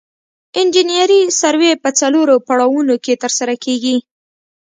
انجنیري سروې په څلورو پړاوونو کې ترسره کیږي